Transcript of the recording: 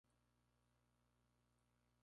tú no habrás comido